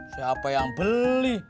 siapa yang beli